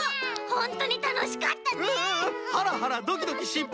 ほんとにたのしかった！